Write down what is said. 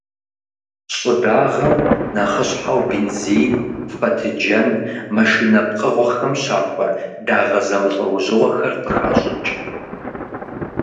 ЩӀыдагъэм нэхъыщхьэу бензин, фэтыджэн, машинэ пкъыгъуэхэм щахуэ дагъэ зэмылӀэужьыгъуэхэр къыхащӀыкӀ.